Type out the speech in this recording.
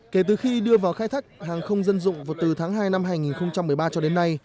kể từ khi đưa vào khai thác hàng không dân dụng từ tháng hai năm hai nghìn một mươi ba cho đến nay